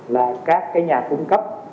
là các nhà cung cấp